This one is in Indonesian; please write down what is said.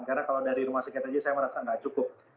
karena kalau dari rumah sakit saja saya merasa tidak cukup